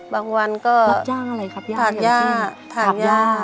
บางวันก็ถามย่าถามย่า